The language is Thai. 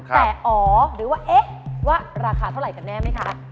แต่อ๋อหรือว่าเอ๊ะว่าราคาเท่าไหร่กันแน่ไหมคะ